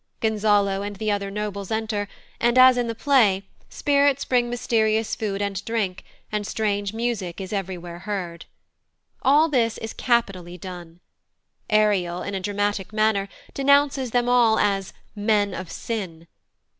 Gonzalo and the other nobles enter, and, as in the play, spirits bring mysterious food and drink, and strange music is everywhere heard. All this is capitally done. Ariel, in a dramatic manner, denounces them all as "men of sin."